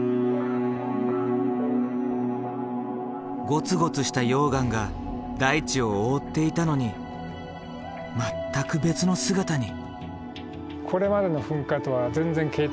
ゴツゴツした溶岩が大地を覆っていたのに全く別の姿に。